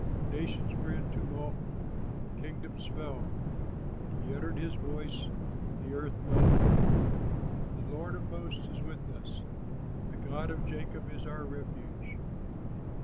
Nations were in tumult, kingdoms fell, He uttered his voice, the earth melted. The Lord of hosts is with us, The God of Jacob is our refuge.